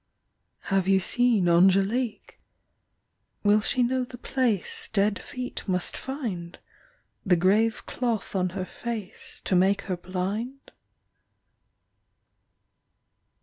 Have you seen Angelique? Will she know the place Dead feet must find, The grave cloth on her face To make her blind?